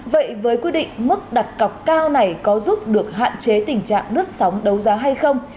vậy với quy định mức đặt cọc cao này có giúp được hạn chế tình trạng nứt sóng đấu giá hay không